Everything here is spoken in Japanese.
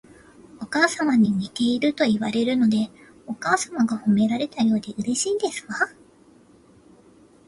お母様に似ているといわれるので、お母様が褒められたようでうれしいですわ